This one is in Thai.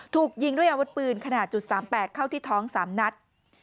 ถูกยิงด้วยอาวุธปืนขนาด๓๘เข้าที่ท้อง๓นัด